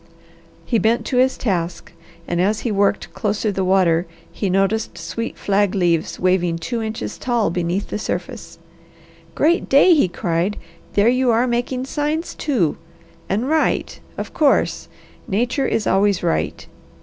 He bent to his task and as he worked closer the water he noticed sweet flag leaves waving two inches tall beneath the surface. "Great day!" he cried. "There you are making signs, too! And right! Of course! Nature is always right.